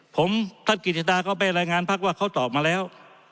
ผมท่านกิจดาก็ไปรายงานพักว่าเขาตอบมาแล้ว